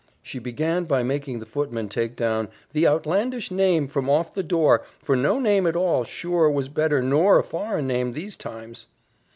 She began by making the footman take down "the outlandish name from off the door; for no name at all, sure, was better nor a foreign name these times."